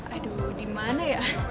aduh di mana ya